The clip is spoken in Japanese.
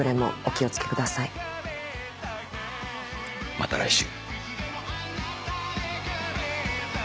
また来週。